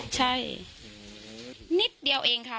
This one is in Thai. ใช่นิดเดียวเองค่ะ